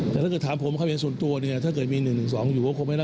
แต่ถ้าเกิดถามผมเข้าเป็นส่วนตัวเนี่ย